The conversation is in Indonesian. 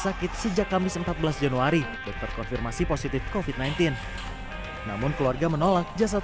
sakit sejak kamis empat belas januari dokter konfirmasi positif kofit sembilan belas namun keluarga menolak jasad